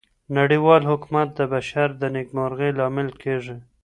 نړیوال حکومت د بشر د نیکمرغۍ لامل کیږي.